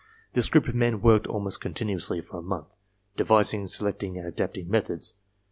This group of men worked almost continuously for a month, devising, se lecting and adapting methods.